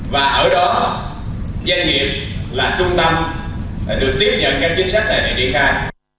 và ở đó doanh nghiệp là trung tâm được tiếp nhận các chính sách này để triển khai